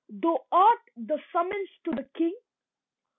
Thou art the summons to the King.